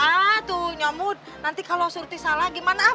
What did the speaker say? ah tuh nyamut nanti kalo surti salah gimana